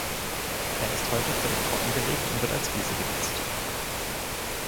Er ist heute völlig trocken gelegt und wird als Wiese genutzt.